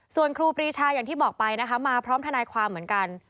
ส่วนครูปรีชาอย่างที่บอกไปนะคะมาพร้อมทนายความเหมือนกัน